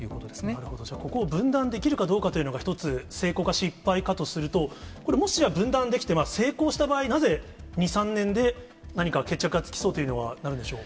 なるほど、じゃあ、ここを分断できるかどうかというのが、一つ、成功か失敗かとすると、これ、もし分断できて、成功した場合、なぜ２、３年で何か決着がつきそうとなるんでしょう？